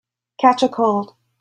Catch a cold